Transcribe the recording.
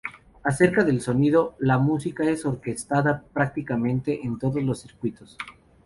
Acerca del sonido, la música es orquestada prácticamente en todos los circuitos.